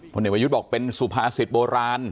พ่อเหนียววัยุทธ์บอกเป็นสุภาษิตโบราณ